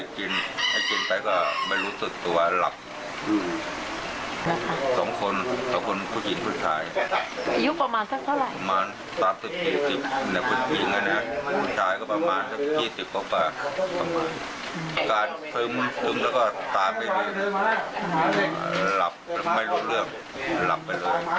การหลับแล้วก็ตามไปเลยหลับไม่รู้เรื่องหลับไปเลย